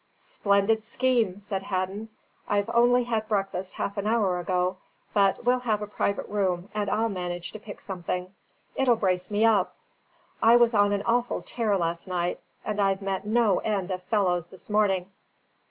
"Splendid scheme!" said Hadden. "I've only had breakfast half an hour ago; but we'll have a private room, and I'll manage to pick something. It'll brace me up. I was on an awful tear last night, and I've met no end of fellows this morning."